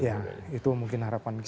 ya itu mungkin harapan kita